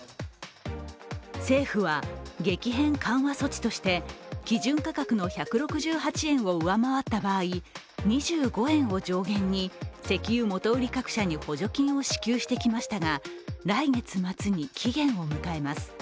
政府は、激変緩和措置として基準価格の１６８円を上回った場合、２５円を上限に石油元売り各社に補助金を支給してきましたが、来月末に期限を迎えます。